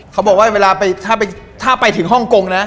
เขาบอกว่าเวลาถ้าไปถึงฮ่องกงนะ